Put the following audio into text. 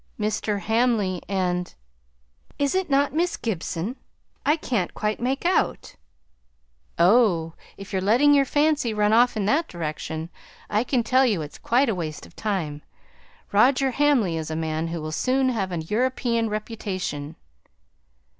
"Mr. Hamley and is it not Miss Gibson? I can't quite make out. Oh! if you're letting your fancy run off in that direction, I can tell you it's quite waste of time. Roger Hamley is a man who will soon have an European reputation!"